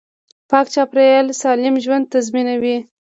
پاک چاپیریال سالم ژوند تضمینوي